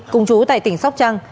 cùng chú tại tỉnh sóc trăng